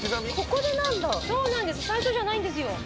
ここでなんだそうなんです最初じゃないんですよ